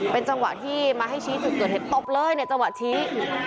เป็นจังหวะที่มาให้ชี้จุดเกิดเหตุตบเลยในจังหวะชี้